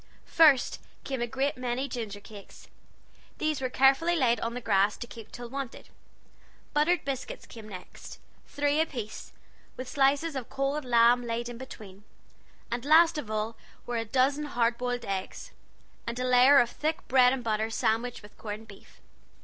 First came a great many ginger cakes. These were carefully laid on the grass to keep till wanted: buttered biscuit came next three apiece, with slices of cold lamb laid in between; and last of all were a dozen hard boiled eggs, and a layer of thick bread and butter sandwiched with corn beef.